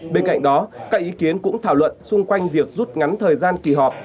bên cạnh đó các ý kiến cũng thảo luận xung quanh việc rút ngắn thời gian kỳ họp